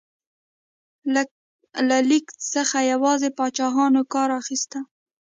له لیک څخه یوازې پاچاهانو کار اخیسته.